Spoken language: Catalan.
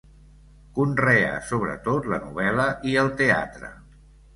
Conreà sobretot la novel·la i el teatre.